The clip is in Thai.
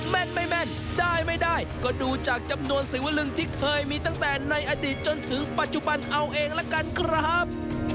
แม่นไม่แม่นได้ไม่ได้ก็ดูจากจำนวนศิวลึงที่เคยมีตั้งแต่ในอดีตจนถึงปัจจุบันเอาเองละกันครับ